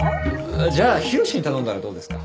じゃあ浩志に頼んだらどうですか？